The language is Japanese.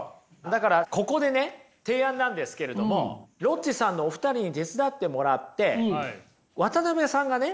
だからここでね提案なんですけれどもロッチさんのお二人に手伝ってもらって渡辺さんがね